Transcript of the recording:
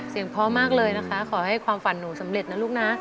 พร้อมมากเลยนะคะขอให้ความฝันหนูสำเร็จนะลูกนะ